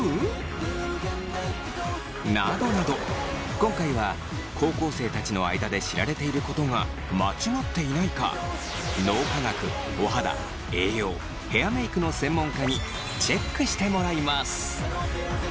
今回は高校生たちの間で知られていることが間違っていないか脳科学お肌栄養ヘアメイクの専門家にチェックしてもらいます！